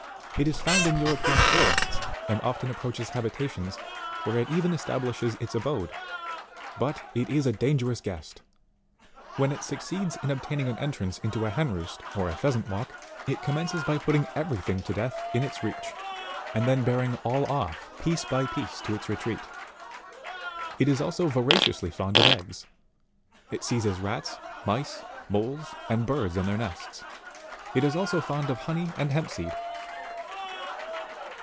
It is found in European forests, and often approaches habitations, where it even establishes its abode. But it is a dan gerous guest : when it succeeds in obtaining an entrance into a hen roost, or a pheasant walk, it commences by putting every thing to death in its reach, and then bearing all off, piece by piece, to its retreat ; it is also voraciously fond of eggs ; it seizes rats, mice, moles and birds in their nests. It is also fond of honey and hempseed.